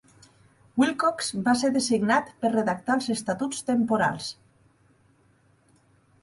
Wilcox va ser designat per redactar els estatuts temporals.